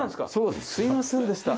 すいませんでした。